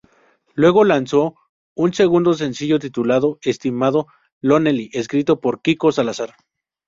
Luego lanzó un segundo sencillo titulado "Estimado Lonely", escrito por Kiko Salazar.